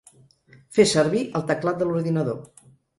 Fer servir el teclat de l’ordinador.